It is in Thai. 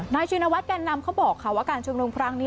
นายจินวัฒน์กันนำเขาบอกว่าการชุมนุมพรางนี้